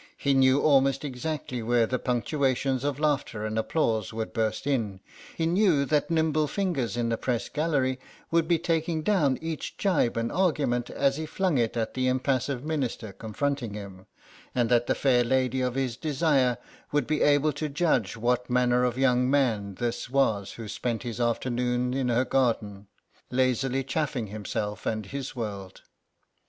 He knew almost exactly where the punctuations of laughter and applause would burst in, he knew that nimble fingers in the Press Gallery would be taking down each gibe and argument as he flung it at the impassive Minister confronting him, and that the fair lady of his desire would be able to judge what manner of young man this was who spent his afternoon in her garden, lazily chaffing himself and his world.